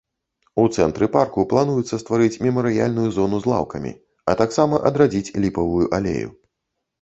У цэнтры парку плануецца стварыць мемарыяльную зону з лаўкамі, а таксама адрадзіць ліпавую алею.